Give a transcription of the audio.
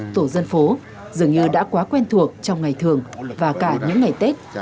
tổ dân phố dường như đã quá quen thuộc trong ngày thường và cả những ngày tết